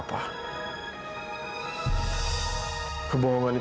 mereka masih ada si muka